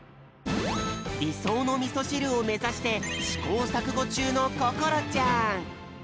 りそうのみそしるをめざしてしこうさくごちゅうのこころちゃん。